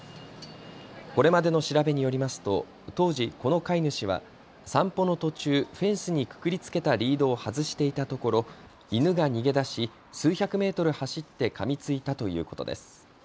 これまでの調べによりますと当時、この飼い主は散歩の途中、フェンスにくくりつけたリードを外していたところ、犬が逃げ出し数百メートル走ってかみついたということです。